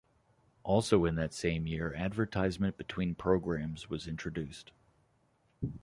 Also in that same year advertisement between programmes was introduced.